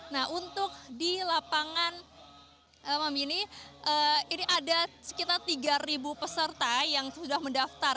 nah untuk di lapangan mamini ini ada sekitar tiga peserta yang sudah mendaftar